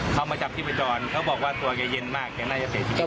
เขามาจับที่มาจอดเขาบอกว่าตัวแกเย็นมากแกน่าจะเป็น